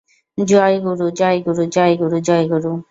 জয় গুরু, জয় গুরু, জয় গুরু, জয় গুরু,।